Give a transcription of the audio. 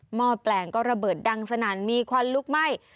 ห้อแปลงก็ระเบิดดังสนั่นมีควันลุกไหม้